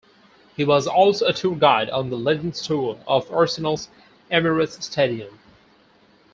He was also a tour guide on the "Legend's Tour" of Arsenal's Emirates Stadium.